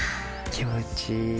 気持ちいい。